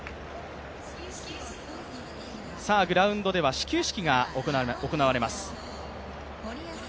グラウンドでは始球式が行われます。